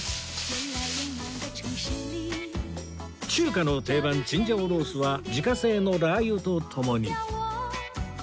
中華の定番チンジャオロースは自家製のラー油とともに